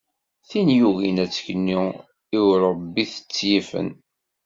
Tin yugin ad teknu i urebbit tt-yifen.